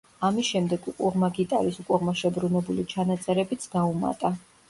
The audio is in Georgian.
ამის შემდეგ უკუღმა გიტარის უკუღმა შებრუნებული ჩანაწერებიც დაუმატა.